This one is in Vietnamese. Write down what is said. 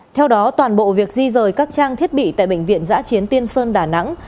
theo đó toàn bộ việc di rời các trang thiết bị tại bệnh viện giã chiến tiên sơn đà nẵng